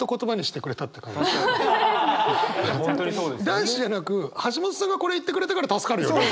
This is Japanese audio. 男子じゃなく橋本さんがこれ言ってくれたから助かるよね。